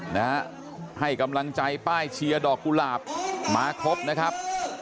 นะฮะให้กำลังใจป้ายเชียร์ดอกกุหลาบมาครบนะครับ